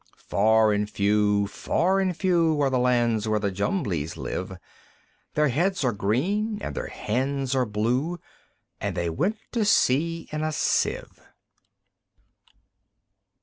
Far and few, far and few, Are the lands where the Jumblies live; Their heads are green, and their hands are blue, And they went to sea in a Sieve.